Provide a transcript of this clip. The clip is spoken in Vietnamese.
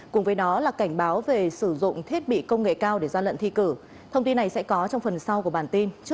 cùng với đó là cảnh báo về sử dụng thiết bị công nghệ cao để gian lận thi cử